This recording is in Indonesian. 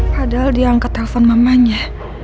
padahal dia angkat telpon mamanya